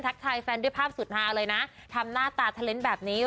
ทักทายแฟนที่ภาพสุดฮาเลยน่ะคำหน้าตาแบบนี้